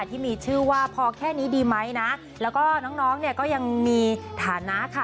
ที่มีชื่อว่าพอแค่นี้ดีไหมนะแล้วก็น้องน้องเนี่ยก็ยังมีฐานะค่ะ